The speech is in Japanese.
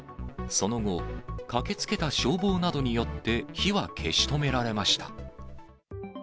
その後、駆けつけた消防などによって火は消し止められました。